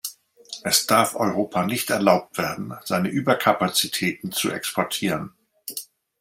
Es darf Europa nicht erlaubt werden, seine Überkapazitäten zu exportieren.